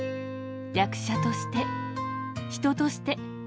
役者として、人として。